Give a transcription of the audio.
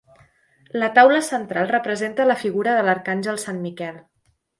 La taula central representa, la figura de l'Arcàngel Sant Miquel.